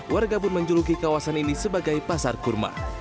warga pun menjuluki kawasan ini sebagai pasar kurma